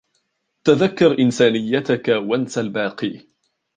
تذكّر إنسانيّتك و انس الباقي.